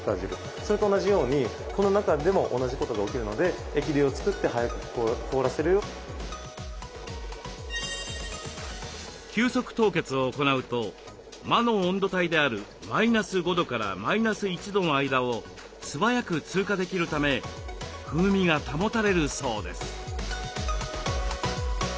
それと同じようにこの中でも同じことが起きるので急速凍結を行うと魔の温度帯であるマイナス５度からマイナス１度の間を素早く通過できるため風味が保たれるそうです。